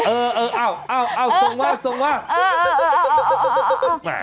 เออเอาส่งมาส่งมา